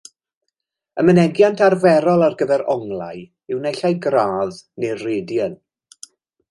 Y mynegiant arferol ar gyfer onglau yw naill ai gradd neu radian.